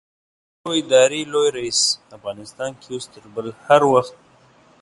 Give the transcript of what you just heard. د چارو ادارې لوی رئيس؛ افغانستان کې اوس تر بل هر وخت